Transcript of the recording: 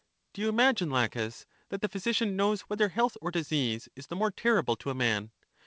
Do you imagine. Laches, that the physi cian knows whether health or disease is the more ter rible to a man?